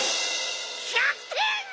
１００てん！